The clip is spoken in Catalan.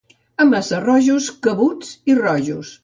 A Massarrojos, cabuts i rojos